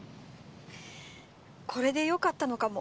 これでよかったのかも。